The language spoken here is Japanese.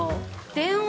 電話？